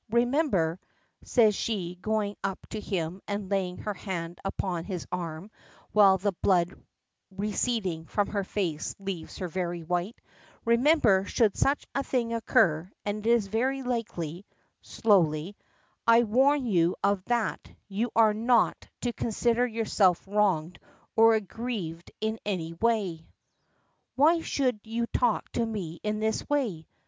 Remember," says she going up to him and laying her hand upon his arm while the blood receding from her face leaves her very white; "remember should such a thing occur and it is very likely," slowly, "I warn you of that you are not to consider yourself wronged or aggrieved in any way." "Why should you talk to me in this way?"